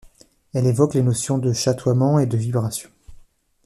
Elle évoque les notions de chatoiement et de vibration.